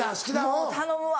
「もう頼むわ」